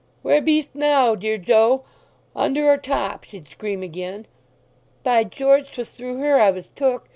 'Where beest now, dear Joe, under or top?' she'd scream again. By George, 'twas through her I was took!